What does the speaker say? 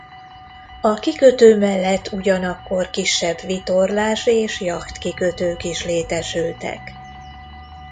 A kikötő mellett ugyanakkor kisebb vitorlás és jacht kikötők is létesültek.